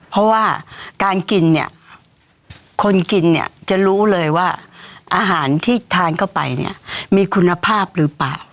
เพราะว่าการกินเนี่ยคนกินเนี่ยจะรู้เลยว่าอาหารที่ทานเข้าไปเนี่ยมีคุณภาพหรือเปล่า